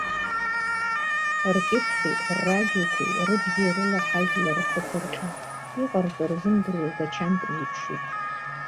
Ркьыԥхьи, ррадиоқәеи, рыбзи рыла ҳажәлар рхы ҭырҟьан, иҟарҵо рзымдыруа игачамкны иԥшуп.